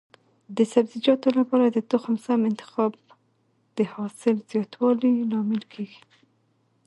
د سبزیجاتو لپاره د تخم سم انتخاب د حاصل زیاتوالي لامل کېږي.